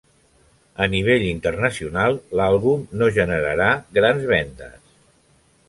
Al nivell internacional, l'àlbum no generarà grans vendes.